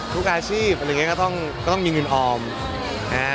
ทุกอาชีพอะไรอย่างนี้ก็ต้องมีเงินออมนะ